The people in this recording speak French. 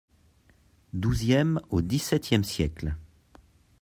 XIIème au XVIIème siècles.